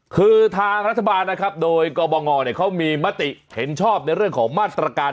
คือทางรัฐบาลนะครับโดยกบงเขามีมติเห็นชอบในเรื่องของมาตรการ